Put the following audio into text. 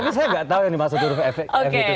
tapi saya nggak tahu yang dimaksud huruf f itu